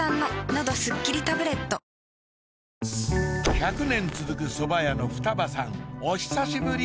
１００年続く蕎麦屋の冨多葉さんお久しぶり！